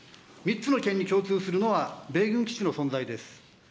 ３つの県に共通するのは、米軍基地の存在です。